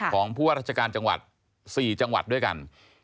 ของผู้ว่าราชการจังหวัด๔จังหวัดด้วยกัน